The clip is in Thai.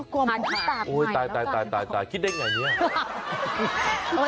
ค่ะก็กลัวหมดค่ะอุ้ยตายคิดได้อย่างนี้อ่ะค่ะ